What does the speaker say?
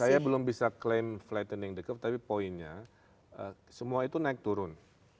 saya belum bisa klaim flattening the curve tapi poinnya semua itu naik turun